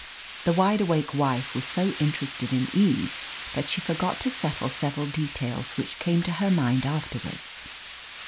The wide awake wife was so interested in Eve that she forgot to settle several details which came to her mind afterwards.